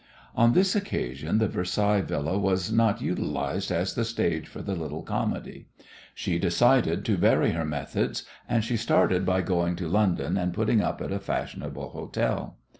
On this occasion the Versailles Villa was not utilized as the stage for the little comedy. She decided to vary her methods, and she started by going to London and putting up at a fashionable hotel.